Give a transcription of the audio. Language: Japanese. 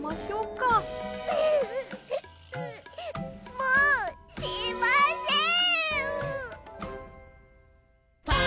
もうしません！